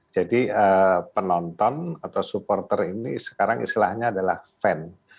jadi penonton atau supporter ini sekarang istilahnya adalah fan